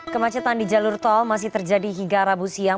kemacetan di jalur tol masih terjadi hingga rabu siang